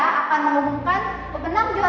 maka vaik letshik itu harus berubah dan luar biasa lah